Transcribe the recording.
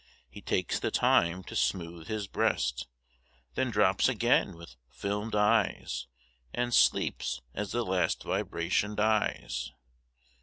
He takes the time to smooth his breast. Then drops again with fdmed eyes, And sleeps as the last vibration dies.